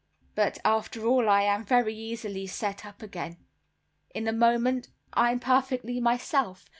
But after all I am very easily set up again; in a moment I am perfectly myself.